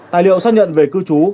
tài liệu xác nhận về cư trú